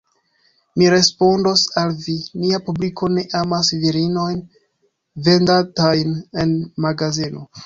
Mi respondos al vi: nia publiko ne amas virinojn vendantajn en magazeno.